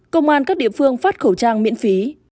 công an các địa phương phát khẩu trang miễn phí